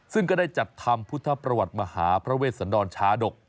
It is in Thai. ซึ่งก็ได้จัดทำพุทธประวัติมหาพระเวชสันดรชาดก